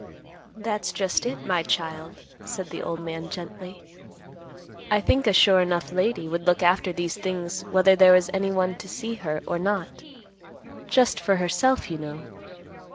"That's just it, my child," said the old man gently. "I think a 'sure enough' lady would look after these things whether there was anyone to see her or not; just for herself, you know.